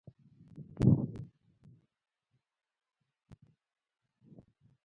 ایا زه باید ماشوم ته د درد درمل ورکړم؟